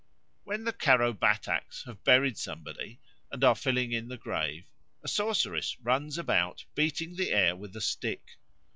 When the Karo Bataks have buried somebody and are filling in the grave, a sorceress runs about beating the air with a stick.